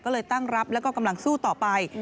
ก็เลยตั้งรับแล้วก็กำลังสู้ต่อไป